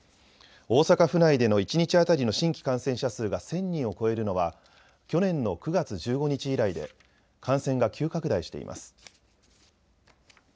大阪府内での一日当たりの新規感染者数が１０００人を超えるのは去年の９月１５日以来で感染が急拡大しています。